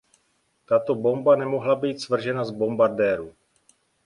Tato bomba nemohla být svržena z bombardéru.